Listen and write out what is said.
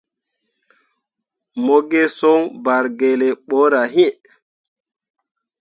Mo gi soŋ bargelle ɓorah iŋ.